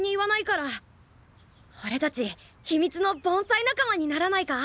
おれたち秘密の盆栽仲間にならないか？